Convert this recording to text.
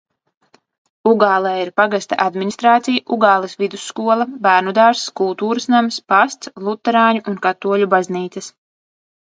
Ugālē ir pagasta administrācija, Ugāles vidusskola, bērnudārzs, kultūras nams, pasts, luterāņu un katoļu baznīcas.